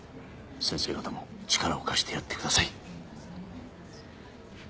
先生方も力を貸してやってください。